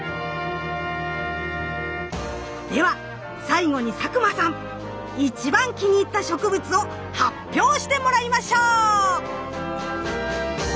では最後に佐久間さん一番気に入った植物を発表してもらいましょう！